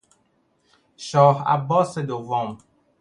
شاه عباس دوم